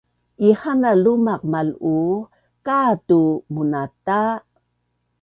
Ihaana lumaq mal’uu katu munata!